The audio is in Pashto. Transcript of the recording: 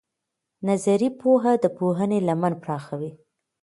نظري پوهه د پوهنې لمن پراخوي.